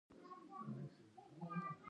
مېلمه پالنه څو ورځې وي.